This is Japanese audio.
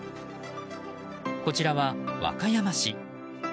こちらは和歌山市。